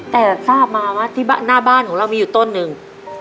แต่ทราบมาว่าที่หน้าบ้านของเรามีอยู่ต้นหนึ่ง